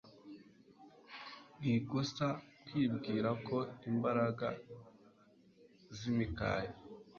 Ni ikosa kwibwira ko imbaraga zimikaya